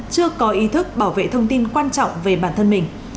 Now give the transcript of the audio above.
chưa có ý thức bảo vệ thông tin quan trọng về bản thân mình